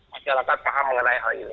masyarakat paham mengenai hal ini